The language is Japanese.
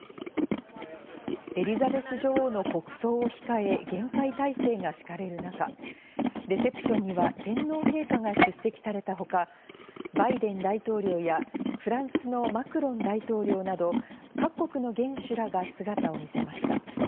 エリザベス女王の国葬を控え、厳戒態勢が敷かれる中、レセプションには天皇陛下が出席されたほか、バイデン大統領やフランスのマクロン大統領など各国の元首らが姿を見せました。